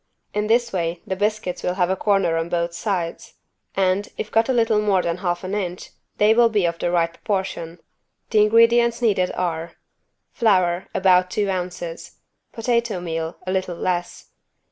In this way the biscuits will have a corner on both sides and, if cut a little more than half an inch, they will be of the right proportion. The ingredients needed are: Flour, about two ounces. Potato meal, a little less.